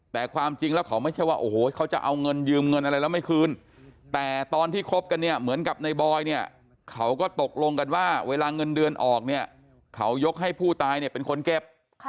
แต่ความจริงแล้วเขาไม่ใช่ว่าโอ้โหเขาจะเอาเงินยืมเงินอะไรแล้วไม่คืนแต่ตอนที่คบกันเนี่ยเหมือนกับในบอยเนี่ยเขาก็ตกลงกันว่าเวลาเงินเดือนออกเนี่ยเขายกให้ผู้ตายเนี่ยเป็นคนเก็บ